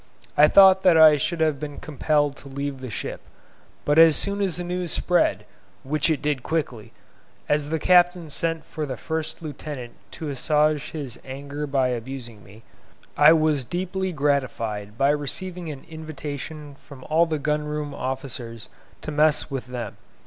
I thought that I should have been compelled to leave the ship; but as soon as the news spread, which it did quickly, as the captain sent for the first lieutenant to assuage his anger by abusing me, I was deeply gratified by receiving an invitation from all the gun room officers to mess with them.